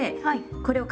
はい。